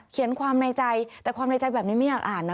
ความในใจแต่ความในใจแบบนี้ไม่อยากอ่านนะ